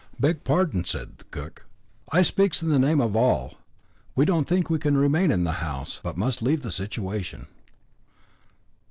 "Beg pardon," said the cook, "I speaks in the name of all. We don't think we can remain in the house, but must leave the situation."